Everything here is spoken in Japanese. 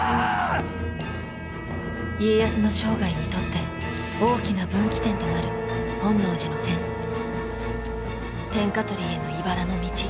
家康の生涯にとって大きな分岐点となる本能寺の変天下取りへのいばらの道